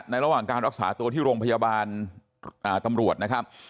ระหว่างการรักษาตัวที่โรงพยาบาลตำรวจนะครับ